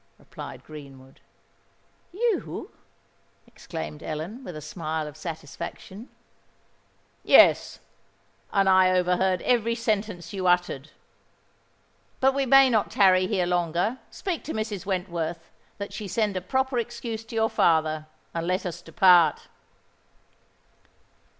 replied Greenwood. "You!" exclaimed Ellen, with a smile of satisfaction. "Yes: and I overheard every sentence you uttered. But we may not tarry here longer: speak to Mrs. Wentworth, that she send a proper excuse to your father; and let us depart."